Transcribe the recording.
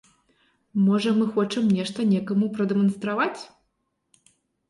Можа, мы хочам нешта некаму прадэманстраваць?